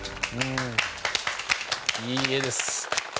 いい画です。